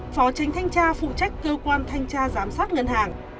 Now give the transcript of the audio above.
phó tránh thanh tra phụ trách cơ quan thanh tra giám sát ngân hàng